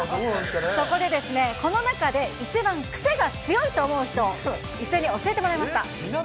そこでですね、この中で一番癖が強いと思う人、一斉に教えてもらいました。